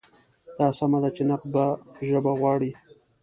دا سمه ده چې نقد به ژبه غواړي.